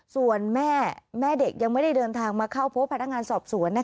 ส่วนแม่เด็กยังไม่ได้เดินทางมาเข้าพบพนักงานสอบสวน